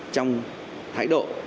trong thái độ